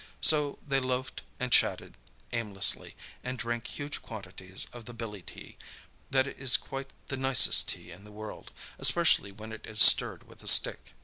So they "loafed" and chatted aimlessly, and drank huge quantities of the billy tea, that is quite the nicest tea in the world, especially when it is stirred with a stick.